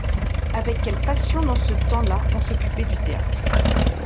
Avec quelle passion dans ce temps-là on s'occupait du théâtre !